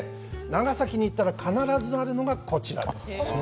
長崎に行ったら必ずあるのがこちらです。